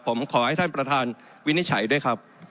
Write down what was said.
ผมขอให้ท่านประธานวินิจฉัยด้วยครับ